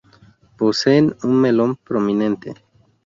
Poseen un melón prominente.